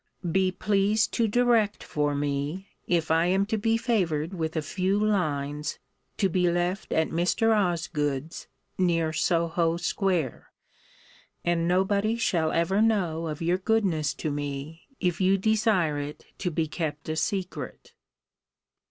Be pleased to direct for me, if I am to be favoured with a few lines, to be left at Mr. Osgood's, near Soho square; and nobody shall ever know of your goodness to me, if you desire it to be kept a secret.